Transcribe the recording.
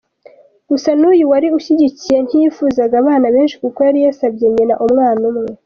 Gusa n’uyu wari umushyigikiye, ntiyifuzaga abana benshi kuko yari yasabye nyina umwana umwe.